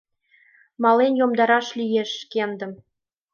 Мален йомдараш лиеш шкендым